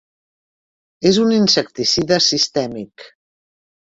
És un insecticida sistèmic.